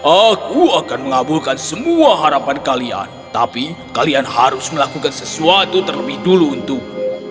aku akan mengabulkan semua harapan kalian tapi kalian harus melakukan sesuatu terlebih dulu untukmu